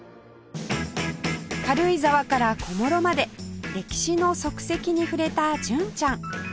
軽井沢から小諸まで歴史の足跡に触れた純ちゃん